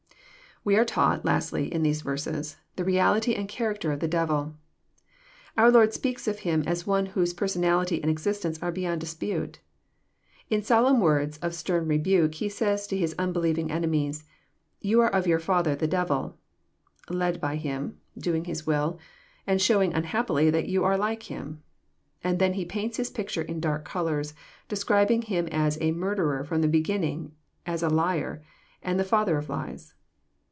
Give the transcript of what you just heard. We are taught, lastly, in these verses, the reality and character of the devil. Our Lord speaks of him as one whose personality and existence are bej'ond dispute. In solemn words of stern rebuke He says to His unbelieving enemies, " Ye are of your father the devil," — led by him, doing his will, and showing unhappily that you are like him. And then He paints his picture in dark colors, describing him as a "murderer" from the beginning, as a " liar " and the father of lies.